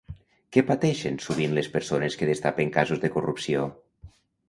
Què pateixen sovint les persones que destapen casos de corrupció?